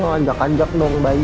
ajak anjak dong bayu